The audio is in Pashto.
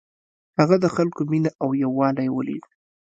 هغه د خلکو مینه او یووالی ولید.